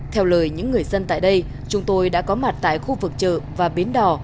theo lời những người dân tại đây chúng tôi đã có mặt tại khu vực chợ và bến đỏ